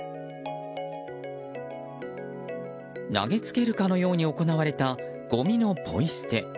投げつけるかのように行われたごみのポイ捨て。